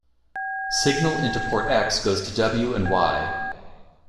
Signal into port X goes to W and Y.